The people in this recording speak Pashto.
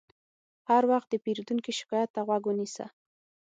هر وخت د پیرودونکي شکایت ته غوږ ونیسه.